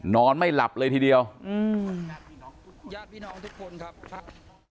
นอนไม่หลับเลยทีเดียวอืมยาดพี่น้องทุกคนครับครับ